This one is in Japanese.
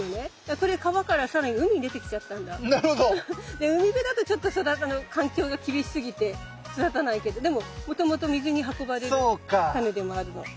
で海辺だとちょっと環境が厳しすぎて育たないけどでももともと水に運ばれるタネでもあるの。